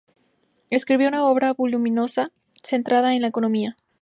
Escribió una obra voluminosa, centrada en la economía.